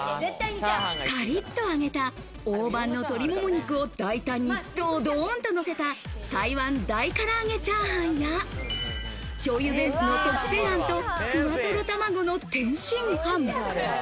カリッと揚げた大判の鶏もも肉を大胆にドドーンとのせた、台湾大からあげチャーハンや、醤油ベースの特製あんと、ふわとろ卵の天津飯。